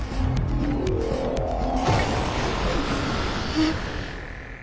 えっ。